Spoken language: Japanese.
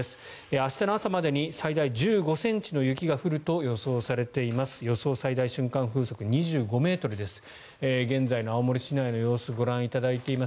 明日の朝までに最大１５ｃｍの雪が降ると予想されています。